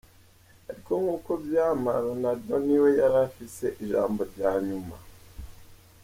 Ariko nk'uko vyama, Ronaldo ni we yari afise ijambo rya nyuma.